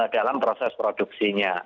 dan proses produksinya